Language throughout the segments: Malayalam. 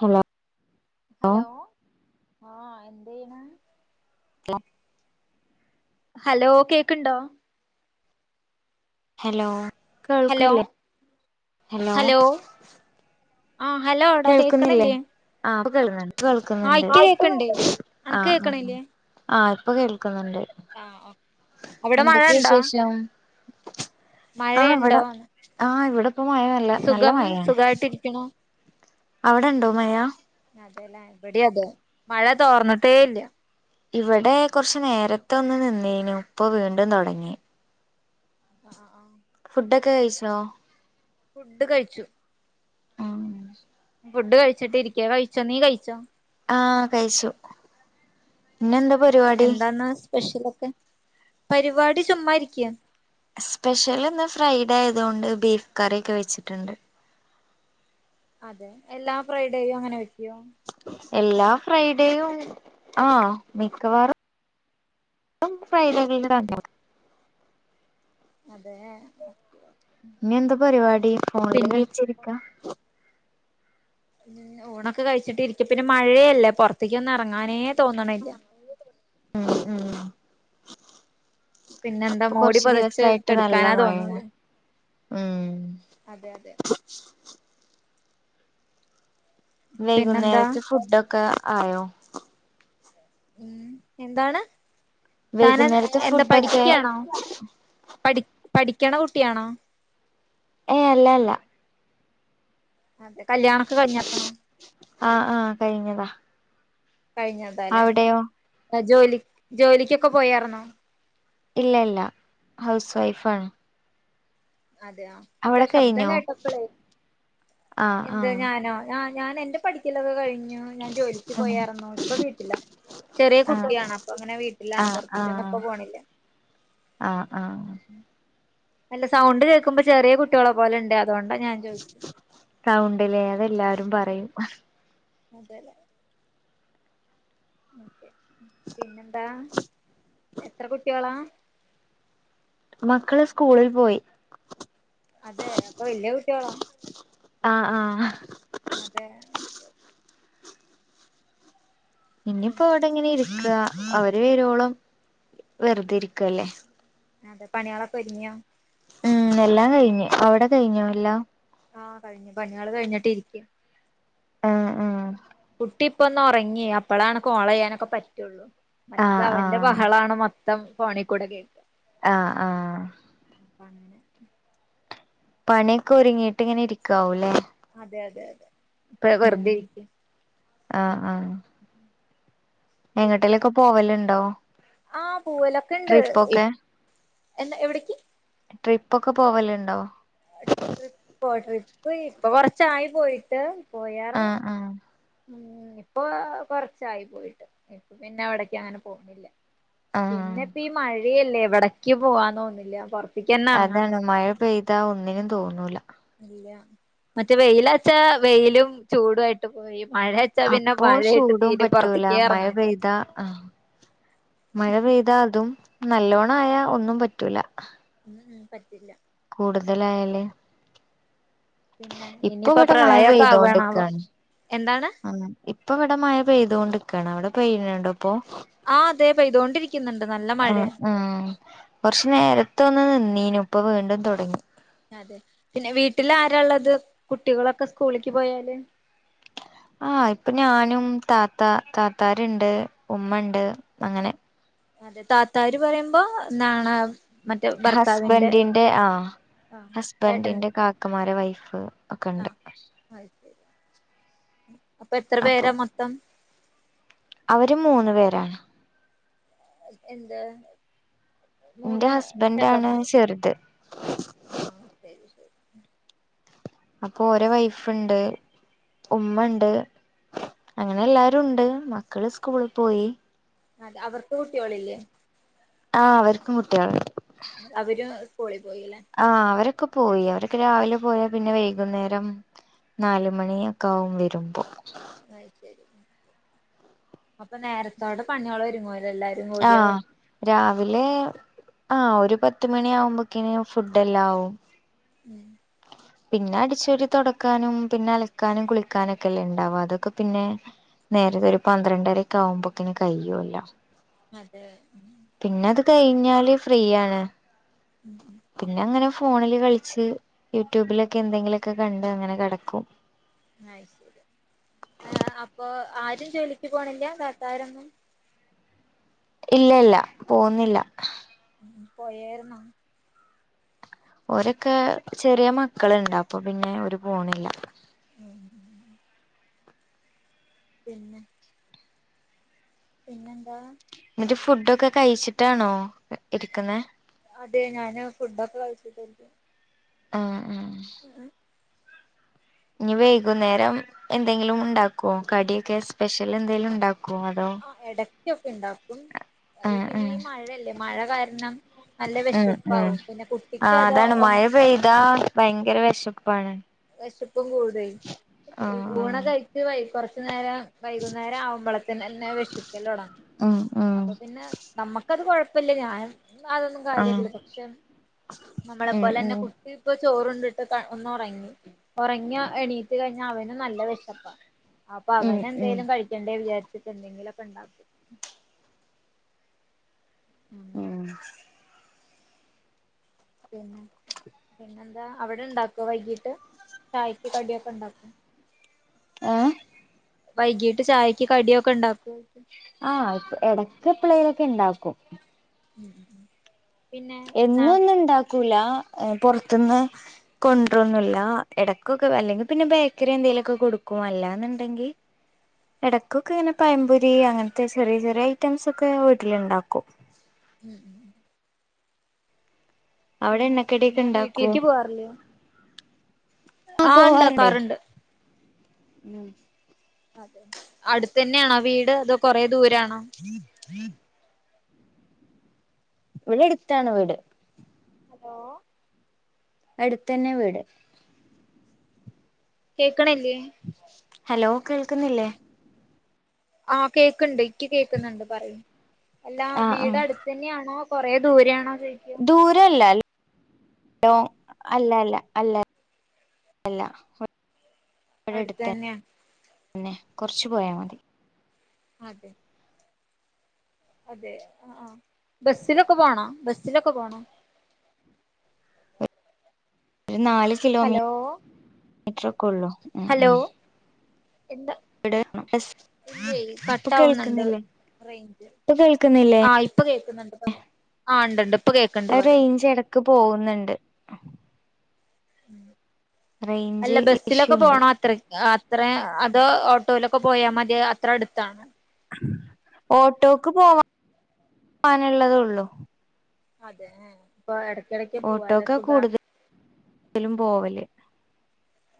ഹലോ ഹലോ ആഹ് എന്തേയ്ണ് [unintelligible] ഹലോ കേക്ക്ണ്ടോ ഹലോ ഹലോ കേൾക്ക്ണില്ലേ ഹലോ ആഹ് ഹലോ കേൾക്കുന്നില്ലേ ആഹ് ഇപ്പൊ കേൾക്കുന്നുണ്ട് ആഹ് കേൾക്കുന്നുണ്ട് ഇക്ക് കേക്ക്ണ്ട് അണക്ക് ആഹ് ആഹ് കേക്ക്ണില്ലേ ആഹ് ഇപ്പൊ കേൾക്കുന്നുണ്ട് ആഹ് ഓ അവിടെ മഴ എന്തൊക്കെയാ ഇണ്ടോ വിശേഷം ആഹ് ഇവിടെ മഴയുണ്ടോ ആഹ് ഇവിടിപ്പോ മഴ നല്ല നല്ല മഴയാണ് പിണോ അവിടെ ഉണ്ടോ മയാ അതെല്ലേ ഇവിടെ അതെ മഴ തോർന്നിട്ടേ ഇല്ല ഇവിടെ കുറച്ച് നേരത്ത ഒന്ന് നിന്നിനു ഇപ്പാ വീണ്ടും തുടങ്ങി ആഹ് ആഹ് ആഹ് ഫുഡോക്കാ കഴിച്ചോ ഫുഡ് കഴിച്ചു ഫുഡ് കഴിച്ചിട്ട് ഇരിക്ക കഴിച്ചോ നീ കഴിച്ചോ ആഹ് കഴിച്ചു ഇന്നെന്താ അതെ പരിപാടി എന്താന്ന് സ്പെഷ്യലൊക്കെ പരിപാടി ചുമ്മാ ഇരിക്ക സ്പെഷ്യൽ ഇന്ന് ഫ്രൈഡേ ആയത് കൊണ്ട് ബീഫ് കറിയൊക്കെ വെച്ചിട്ടുണ്ട് അതെ എല്ലാ ഫ്രൈഡേയും അങ്ങനെ വെക്കൊ എല്ലാ ഫ്രൈഡേയും ആഹ് മിക്കവാറും [unintelligible] ഫ്രൈഡേകളിൽ തന്നെയാവും അതെ ഓക്കെ ഓക്കെ. ഇനി എന്താ പരിപാടി ഫോണില് പിന്നെ കളിച്ചിരിക്കാ ഊണൊക്കെ കഴിച്ചിട്ട് ഇരിക്ക പിന്നെ മഴയല്ലേ പുറത്തേക്ക് ഒന്നും ഇറങ്ങാനേ തോന്നണില്ല ഉം ഉം പിന്നെന്താ ഇപ്പൊ മോടി കുറച്ചു പൊതച്ച് ദിവസായിട്ട് നല്ല കെടുക്കാനാ മഴെണ് തോന്നുള്ളൂ ഉം അതെ അതെ പിന്നെന്താ വൈകുന്നേരത്തെ ഫുഡോക്കെ ആയോ ഉം എന്താണ് താൻ എന്ന വൈകുന്നേരത്തെ എന്താ ഫുഡൊക്കെ പഠിക്കാണോ പഠി പഠിക്കണ കുട്ടിയണോ ഏഹ് അല്ല അല്ല അതെ കല്യാണ ഒക്കെ കഴിഞ്ഞപ്പണം ആഹ് ആഹ് കഴിഞ്ഞതാ കഴിഞ്ഞതാലേ അവിടെയോ ജോലി ജോലിക്കൊക്കെ പോയാർന്നോ ഇല്ലല്ല ഹൗസ് വൈഫ് ആണ് അതെയ അല്ല ശബ്ദം കഴിഞ്ഞോ കേട്ടപ്പോളേ ആഹ് എന്ത് ആഹ് ഞാനോ ആഹ് ഞാൻ എന്റെ പഠിക്കലൊക്കെ കഴിഞ്ഞു ഞാൻ ജോലിക്ക് ഉം പോയരുന്നു ഇപ്പ വീട്ടില ചെറിയ ആഹ് കുട്ടിയാണ് അപ്പൊ അങ്ങനെ വീട്ടിലാണ് ആഹ് പുറത്തേക്ക് ഒന്നും ഇപ്പോ ആഹ് പോണില്ല ആഹ് ആഹ് അല്ല സൗണ്ട് കേൾക്കുമ്പോ ചെറിയ കുട്ട്യാളെ പോലെണ്ട് അതൊണ്ടാ ഞാൻ ചോദു സൗണ്ടല്ലേ അതെല്ലാരും പറയും അതെല്ലേ ഓക്കേ പിന്നെന്താ എത്ര കുട്ടികളാ മക്കള് സ്കൂളിൽ പോയി അതെ അപ്പൊ വല്യ കുട്ട്യാളാ ആഹ് ആഹ് അതെ അതെ ഇനിയിപ്പോ പിന്നെ അവിടെ ഇങ്ങനെ ഇരിക്കുക അവര് വരുവോളം വെറുതെ ഇരിക്കുവല്ലേ അതെ പണികളൊക്കെ ഒരുങ്ങിയോ ഉം എല്ലാം കഴിഞ്ഞ് അവിടെ കഴിഞ്ഞോ എല്ലാം ആഹ് കഴിഞ്ഞു പണികള് കഴിഞ്ഞിട്ട് ഇരിക്കും ഉം ഉം കുട്ടി ഇപ്പൊ ഒന്ന് ഒറങ്ങി അപ്പളാണ് കോൾ ചെയ്യാനൊക്കെ പറ്റുള്ളൂ മറ്റേത് ആഹ് അവന്റെ ആഹ് ബഹളാണ് മൊത്തം ഫോണിക്കൂടെ കേ ആഹ് ആഹ് [inaudible] പണിയൊക്കെ ഒരുങ്ങീട്ട് ഇങ്ങനെ ഇരിക്കാവും ല്ലേ അതെ അതെ അതെ ഇപ്പൊ വെറുതെ ഇരി ആഹ് ആഹ് പിന്നെ എങ്ങട്ടേലൊക്കെ പോവലുണ്ടോ ആഹ് പൂവലൊക്കെണ്ട് ട്രിപ്പൊക്കെ എന്താ എവിടേക്ക് ട്രിപ്പ ഒക്കെ പോവലുണ്ടോ ട്രിപ്പോ ട്രിപ്പ് ഇപ്പൊ കൊറച്ചായി പോയിട്ട് പോയറ്ന്നു ആഹ് ആഹ് ഉം ഇപ്പോ കൊറച്ചായി പോയിട്ട് ഇപ്പ പിന്നെ അവിടേക്ക് അങ്ങനെ പോണില്ല ആഹ് പിന്നെ ഇപ്പം ഈ മഴയല്ലേ എവിടക്ക് പോവാൻ തോന്നില്ല പുറ അതാണ് മഴ പെയ്താ ഒന്നിനും തോന്നൂല ഇല്ല മറ്റേ വെയിലാച്ചാ വെയിലും ചൂടും ആയിട്ട് പോയി മഴ പിന്നെ അപ്പോ മഴയായിട്ട് ചൂടും തീരെ പറ്റൂല പുറത്തേക്കേ മഴ ഇറങ്ങാൻ പെയ്താ ആഹ് മഴ പെയ്താ അതും നല്ലോണം ആയാ ഒന്നും പറ്റൂല ഉം ഉം പറ്റില്ല കൂടുതലായാല് പിന്നെ ഇപ്പൊ ഇനിയിപ്പോ ഇവിടെ മഴ പ്രളയൊക്കെ ആവാണാവോ പെയ്തോണ്ടിക്കാണ് എന്താണ് ആഹ് ഇപ്പൊ ഇവിടെ മഴ പെയ്തോണ്ട് നിക്കാണ് അവിടെ പെയ്യണണ്ടോ ഇപ്പോ ആഹ് അതെ പെയ്തോണ്ടിരി ക്കുന്നുണ്ട് നൽ ഉം ഉം കുറച്ച് നേരത്തെ ഒന്ന് നിന്നീനു ഇപ്പ വീണ്ടും തുടങ്ങി അതെ പിന്നെ വീട്ടിൽ ആരാള്ളത് കുട്ടികളൊക്കെ സ്കൂളിക്ക് പോയാല് ആഹ് ഇപ്പൊ ഞാനും താത്താ താത്താരുണ്ട് ഉമ്മണ്ട് അങ്ങനെ അതെ താത്താര് പറയുമ്പോ നാണാ ഹസ്ബൻഡിന്റെ ആഹ് ആ ഏട്ടൻ ഹസ്ബൻഡിന്റെ കാ ക്കമാരെ വൈഫ് ഒക്കെ ആ ഇണ്ട്. അത് ശരി. അപ്പെത്ര പേരാ മൊത്തം? അവരും മൂന്ന് പേരാണ്. എന്ത്? ഇന്റെ മൂന്ന് ഹസ്ബൻഡാണ് ചെറുത്. ആഹ് ശരി ശരി. അപ്പൊ ഓരെ വൈഫ് ഇണ്ട്, ഉമ്മ ഇണ്ട്. അങ്ങനെ എല്ലാരും ഉണ്ട് മക്കള് സ്കൂള് പോയി. അത അവർക്ക് കുട്ട്യോളില്ലേ? ആഹ് അവർക്കും കുട്ടിയേള്ണ്ട്. അവര് സ്കൂളിൽ പോയി ലേ ആഹ് അവരൊക്കെ പോയി. അവരൊക്കെ രാവിലെ പോയാ പിന്നെ വൈകുന്നേരം നാല് മണിയൊക്കാവും വരുമ്പം അഹ് ശരി. അപ്പൊ നേരത്തോടെ പണ്യോള് ഒരുങ്ങോലൊ എല്ലാ ആഹ്. രാവിലെ ആഹ് ഒരു പത്ത് മണി ആകുമ്പോക്കിന് ഫുഡ് എല്ലാം ആവും. ഉം പിന്നെ അടിച്ചെരി തൊടക്കാനും പിന്നെ അലക്കാനും കുളിക്കാനും ഒക്കെ അല്ലെ ഉണ്ടാവാ അതൊക്കെ പിന്നെ. നേരത്തെ ഒരു പന്ത്രണ്ടര ഒക്കെ ആവുമ്പോക്കിന് കയ്യോല്ലോ. അതെ. പിന്നെ അത് കഴിഞ്ഞാല് ഫ്രീയാണ്. ഉം പിന്നെ അങ്ങനെ ഫോണിൽ കളിച്ച് യൂട്യൂബിലൊക്കെ എന്തെങ്കിലുമൊക്കെ കണ്ട് അങ്ങനെ കെടക്കും. അത് ശരി. ആഹ് അപ്പൊ ആരും ജോലിക്ക് പോണില്ല, താത്താരൊന്നും? ഇല്ലല്ല പോവുന്നില്ല. പോയേര്ന്നോ? ഓരൊക്കെ ചെറിയ മക്കള്ണ്ട് അപ്പൊ പിന്നെ ഓര് പോണില്ല. ഉം. പിന്നെ. പിന്നെന്താ. എന്നിട്ട് ഫുഡൊക്കെ കഴിച്ചിട്ടാണോ ഇരിക്കുന്നേ? അതെ ഞാന് ഫുഡൊക്കെ കഴിച്ചിട്ടാ ഇരിക്കുന്നെ. ആഹ് ആഹ്. [unintelligible] ഇനി വൈകുന്നേരം എന്തെങ്കിലും ഉണ്ടാക്കോ കടിയൊക്കെ സ്പെഷ്യൽ എന്തെങ്കിലും ഉണ്ടാക്കോ അ ആഹ് ഇടയ്ക്കൊക്കെ ഉണ്ടാക്കും ഈ ആഹ് പിന്നെ ആഹ് ഈ മഴയല്ലേ മഴ കാരണം. നല്ല ഉം ഉം വിഷുപ്പാവും പിന്നെ കുട്ടിക്ക് ആഹ് അതൊ അതാണ് ഒ മഴ പെയ്താ. ഭയങ്കര വിശപ്പാണ്. വിശപ്പും കൂടുവേ. ഉ ആഹ് ഊണൊക്കെ കഴിച്ച് വൈ കൊറച്ചു നേരം വൈകുന്നേരം ആവ്മ്പളത്തിനന്നെ വിഷക്കലൊടങ്ങും. ആഹ് ഉം ഉം അപ്പൊ പിന്നെ നമ്മക്കത് കൊഴപ്പില്ല ഞായം. അതൊന്നും ആഹ് കാര്യാക്കില്ല പക്ഷെ നമ്മളെ ഉം പോലെ തന്നെ ഉം കുട്ടി ഇപ്പ ചോറുണ്ടിട്ട് ക ഒന്നു ഒറങ്ങി. ഒറങ്ങ്യ എണീറ്റ് കഴിഞ്ഞ അവനും നല്ല വിശപ്പാ അപ്പൊ ഉം അവന് ഉം എന്തേലും കഴി ക്കണ്ടേ വിചാരിച്ട്ട് എന്തെങ്കിലൊക്കെ ഉണ്ടാക്കും. അങ്ങനെ ഉം. പിന്നെ. പിന്നെന്താ അവിടെ ഇണ്ടാകോ വൈകീട്ട് ചായക്ക് കടിയൊക്കെ ഇണ്ടാകോ? ആഹ് വൈകീട്ട് ചായക്ക് കടിയൊക്കെണ്ടാക്കൂ ആഹ് എടക് എപ്ളേലൊക്കെണ്ടാക്കും. ഉം ഉം പിന്നെ ന എന്നൊന്നുണ്ടാക്കൂലാ പൊർത്ന്ന് ഉം കൊണ്ട്ര ഒന്നുല്ലാ എടക്കൊക്കെ അല്ലെങ്കി പിന്നെ ബേക്കറി എന്തേലൊക്കെ കൊടുക്കും അല്ലാന്നുണ്ടെങ്കി. എടയ്ക്കൊക്കെ ഇങ്ങനെ പയംപൊരി അങ്ങൻത്തെ ചെറിയ ചെറിയ ഐറ്റംസൊക്കെ വീട്ടിലുണ്ടാക്കും. ഉം. അവിടെ പിന്നെ എണ്ണക്കടിയൊക്കെ പിന്നെ ഇണ്ടാക്കോ വീട്ടിൽക്ക് പോവാറില്ലോ ആഹ് ഉണ്ടാക്കാറുണ്ട്. ഉം. അതെ അടുത്തതന്നെയാണോ വീട് അതോ കൊറേ ദൂരണോ? [inaudible] ഇവിടെ എടുത്താണ് വീട്. ഹലോ എടുത്തന്നെ വീട് കേക്കണില്ലേ ഹലോ കേൾക്കുന്നില്ലേ ആഹ് കേക്ക്ണ്ട് ഇക്ക് കേക്കുന്നുണ്ട് പറയ് എല്ലാ ആഹ് ആഹ് വീടടുത്ത തന്നെയാണോ കൊറേ ദൂരെയാണോ ചോയ് ദൂരല്ല അല്ല [unintelligible] അല്ല അല്ല അടുത്തന്നെയാ ഇവിടെടുത്തന്നേ കൊർച്ചു പോയാമതി അതെ അതെ ആ ആഹ് ബസ്സിലൊക്കെ പോണോ ബസ്സിലൊക്കെ പോണോ ഒരു നാല് കിലോമീ ഹലോ മീറ്റർ ഒക്കെ ഒള്ളൂ ഉം ഹലോ ഉം എന്താ ഇവിടെ ഇല്ലെ ഇപ്പൊ കട്ടാവുന്നുണ്ട് കേൾക്കുന്നില്ലേ റേഞ്ച് ഇപ്പൊ കേൾക്കുന്നില്ലേ ആഹ് ഇപ്പൊ കേക്കുന്നുണ്ട് പറി ആഹ് ണ്ട് ണ്ട് ഇപ്പൊ കേക്ക്ണ്ട് പറി ക്ക് പോകുന്നുണ്ട് റേഞ്ച് അല്ല ഇഷ്യൂ ബസിലൊക്കെ ഉണ്ട് പോണ അത്ര ആത്രേ അതോ ഓട്ടോയിലൊക്കെ പോയാ മതി അത്ര അടുത്താണ് ഓട്ടോക്ക് പോവാൻ പോവാനുള്ളതൊള്ളു അതെ ഏഹ് ഓ എടക്കെടക്ക്. ഓട്ടോക്കാ കൂടുതൽ ലും പോവല്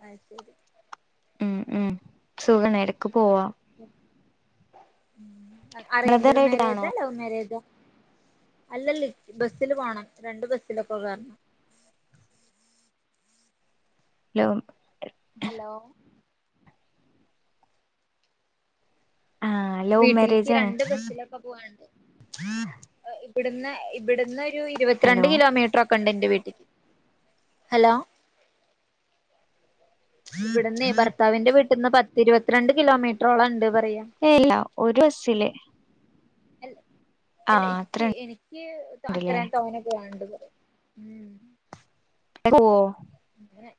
അയ്ശരി ഉം ഉം സുഖാണ് എടക്ക് പോവാ ഉം. ബ്രദർ അറേഞ്ജഡ് എടുത്താണോ മാരേജാ ലൗ മാരേജാ അല്ലല്ല ബസ്സില് പോണം രണ്ട് ബസ്സിലൊക്കെ കേറണം [unintelligible] ഹലോ ആഹ് ലവ് വീട്ടിൽക്ക് മാരേജ് ആണ് രണ്ട് ബസ്സിലൊക്കെ ക്കെ പോവാണ്ട് ഇബിടുന്ന് ഇബിടുന്ന് ഒരു ഹലോ ഇരുപത്തിരണ്ട് കിലോമീറ്ററൊക്കെ ക്കണ്ട് ന്റെ വീട്ടിക്ക് ഹലോ ഇവിടന്ന് ഭർത്താവിന്റെ വീട്ടിന്ന് പത്തിരുപത്തിരണ്ട് കിലോമീറ്ററോളം ഉണ്ട് പറയ്യാ ഏല്ലാ ഒരു ബസ്സില് അൽ അല്ല ആഹ് അത്ര ഇക്ക് എനിക്ക് ഉണ്ടല്ലേ അത്ര തോനെപോവാണ്ട് പറയും ഉം. [unintelligible] പോവോ അങ്ങനെ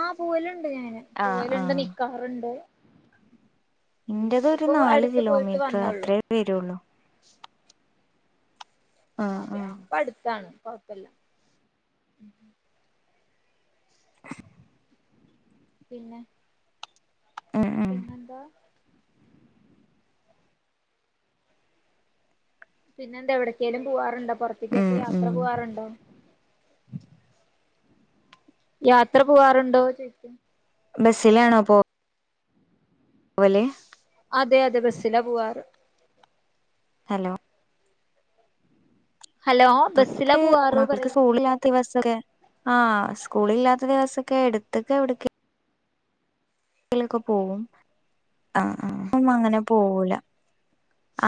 ആ പോവലുണ്ട് ഞാന് ആഹ് പോവലുണ്ട് ആഹ് നിക്കാറുണ്ട് ഇനി ഇന്റേത് ഒരു ഇപ്പൊ നാല് അടുത്ത് പോയിട്ട് കിലോമീറ്റർ വന്നോള്ളൂ അത്രേ വരുള്ളൂ അതെ ആഹ് അപ്പൊ അടുത്താണ് കൊഴപ്പല്ലാം പിന്നെ ഉം ഉം പിന്നെന്താ പിന്നെ എന്ത എവിടക്കേലും പോകവാറുണ്ടോ ഉം പുറത്തേക്കൊക്കെ യാത്ര ഉം പോകവാറുണ്ടോ യാത്ര പോകാറുണ്ടോ ചോദിക്കും ബസ്സിലാണോപ്പോ വലേ അതെ അതെ ബസ്സിലാ പോവാറ് ഹലോ ഹലോ ബസ്സിലാ അക്ക് പോവാറ് മക്കൾക്ക് പറയാ സ്കൂളിലാന്ന് ദിവസൊക്കെ ആഹ് സ്കൂള ഇല്ലാത്ത ദിവസൊക്കെ എടുത്തക്കെ എവിട ലോക്കെ പോവും അ ആ അങ്ങനെ പോവൂല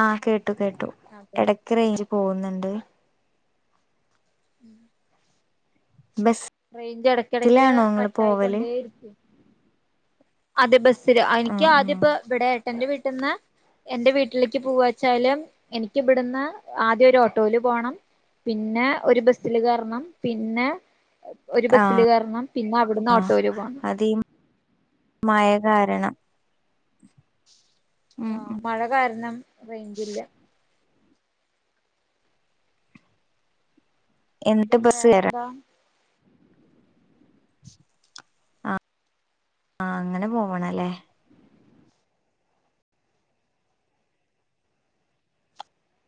ആഹ് കേട്ടു കേട്ടു അതെ എടക്ക് റേഞ്ച് പോവ്ന്ന്ണ്ട് ഉം ബെസ് റേഞ്ച് എടയ്ക്കേടയ്ക്ക് കട്ടായിക്കൊണ്ടേരിക്കും അതെ ബസില് അയ്ൻക്ക് ആഹ് ആദ്യ ആഹ് ഇപ്പ ഇവടെ ഏട്ടന്റെ വീട്ട്ന്ന് എന്റെ വീട്ട്ല്ക്ക് പൂവച്ചാല് എനിക്ക് ഇവ്ട്ന്ന് ആദ്യ ഒര് ഓട്ടോല് പോണം പിന്നെ ഒര് ബസില് കേർണം പിന്നെ ഒര് ആഹ് ബസ്സ്ല് കേർണം പിന്നെ അവ്ട്ന്ന് ഓട്ടോല് പോണം മയ കാരണം ഉം ആഹ് ഉം മഴ കാരണം റേഞ്ച്ല്ലാ എന്നിട്ട് പിന്നെ ബസ് കേറണം വേറെന്താ ആഹ് ആഹ് അങ്ങനെ പോവ്ണല്ലേ